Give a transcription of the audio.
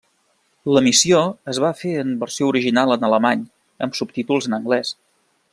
L'emissió es va fer en versió original en alemany, amb subtítols en anglès.